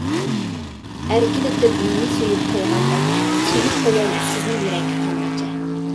ئەركىلىتىپ مېنى سۆيۈپ قويغاندەك، سۆيۈپ قوياي سىزنى يۈرەك قانغىچە.